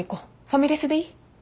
ファミレスでいい？